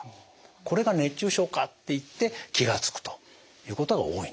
これが熱中症かっていって気が付くということが多いんですね。